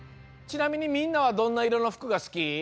ちなみにみんなはどんないろのふくがすき？